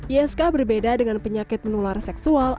isk berbeda dengan penyakit menular seksual